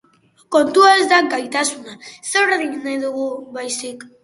Kontua ez da gaitasuna, zer egin nahi dugun baizik.